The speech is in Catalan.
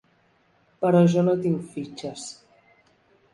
Però jo no tinc fitxes.